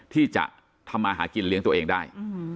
ที่จะทำมาหากินเลี้ยงตัวเองได้